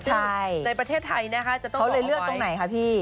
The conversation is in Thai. ซึ่งในประเทศไทยนะคะเขาเลยเลือกตรงไหนคะพี่